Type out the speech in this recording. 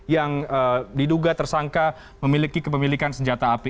yang diduga tersangka memiliki kepemilikan senjata api